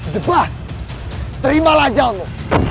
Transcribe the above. debat terimalah jalmu